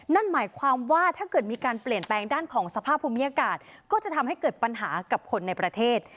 นั่นหมายความว่าถ้าเกิดมีการเปลี่ยนแปลงด้านของสภาพภูมิอากาศก็จะทำให้เกิดปัญหากับคนในประเทศ